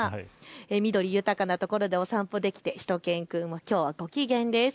緑豊かなところでお散歩できてしゅと犬くん、きょうはご機嫌です。